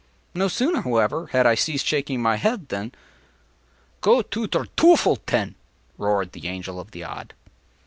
No sooner, however, had I ceased shaking my head than— “Go to der teuffel, ten!” roared the Angel of the Odd.